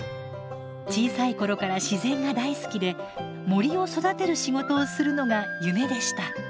小さい頃から自然が大好きで森を育てる仕事をするのが夢でした。